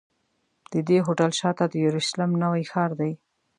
د دې هوټل شاته د یورشلېم نوی ښار دی.